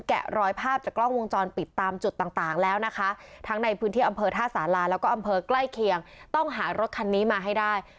แกะรอยภาพจากกล้องวงจรปิดตามจุดต่างต่างแล้วนะคะทั้งในพื้นที่อำเภอท่าสาราแล้วก็อำเภอใกล้เคียงต้องหารถคันนี้มาให้ได้